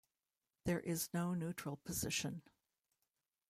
There is no neutral position.